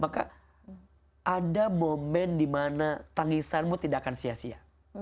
maka ada momen dimana tangisanmu tidak akan sia sia